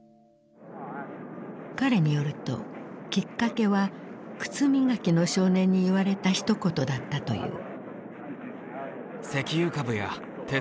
彼によるときっかけは靴磨きの少年に言われたひと言だったという。